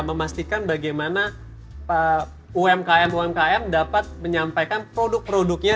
memastikan bagaimana umkm umkm dapat menyampaikan produk produknya